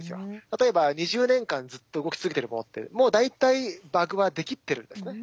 例えば２０年間ずっと動き続けてるものってもう大体バグは出きってるんですね。